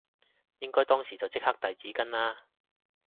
應該當時就即刻遞紙巾啦